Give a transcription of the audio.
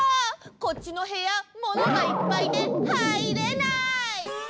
こっちのへやものがいっぱいではいれない！